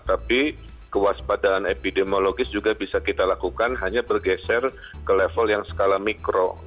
tapi kewaspadaan epidemiologis juga bisa kita lakukan hanya bergeser ke level yang skala mikro